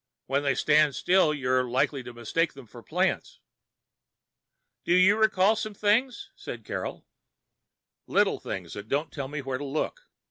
When they stand still you're likely to mistake them for plants." "You do recall some things," said Carol. "The little things that don't tell me where to look.